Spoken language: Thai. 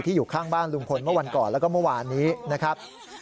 อยู่ข้างบ้านลุงพลเมื่อวันก่อนแล้วก็เมื่อวานนี้นะครับ